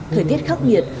thời tiết khắc nghiệt